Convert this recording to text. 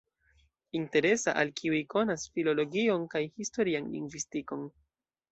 Interesa al kiuj konas filologion kaj historian lingvistikon.